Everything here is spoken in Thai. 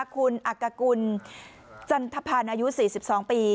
คุณอักกุลจันทพันธ์อายุ๔๒ปี